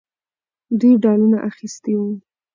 دوی ډالونه اخیستي وو.